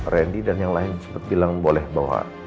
randy dan yang lain sempet bilang boleh bawa